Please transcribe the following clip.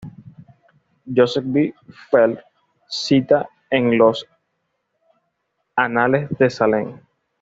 Joseph B. Felt cita en los "Los Anales de Salem", ed.